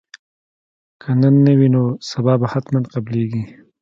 که نن نه وي نو سبا به حتما قبلیږي